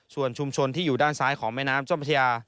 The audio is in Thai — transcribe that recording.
ส่วนชุมชนที่อยู่ด้านซ้ายของแม่น้ำเจ้าพระยา